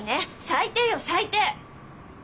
最低よ最低！